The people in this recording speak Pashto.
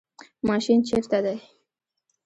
ماشین چیرته دی؟